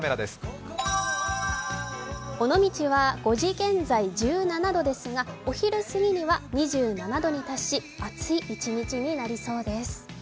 ５時現在１７度ですが、昼からは２９度に達し、暑い１日になりそうです。